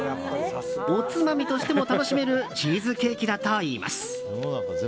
おつまみとしても楽しめるチーズケーキだといいます。